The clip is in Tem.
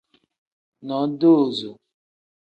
Nodoozo.